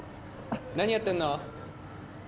何やってんの？